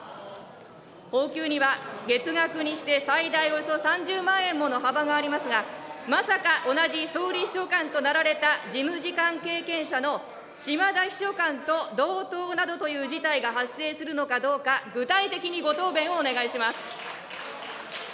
俸給には月額にして最大およそ３０万円もの幅がありますが、まさか同じ総理秘書官となられた事務次官経験者の嶋田秘書官と同等などという事態が発生するのかどうか、具体的なご答弁をお願いします。